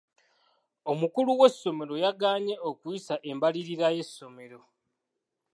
Omukulu w'essomero yagaanye okuyisa embalirira y'essomero.